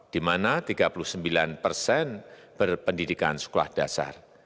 di mana tiga puluh sembilan persen berpendidikan sekolah dasar